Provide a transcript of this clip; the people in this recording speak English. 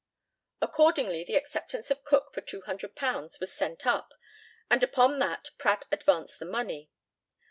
Accordingly the acceptance of Cook for £200 was sent up, and upon that Pratt advanced the money.